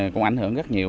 cũng ảnh hưởng rất nhiều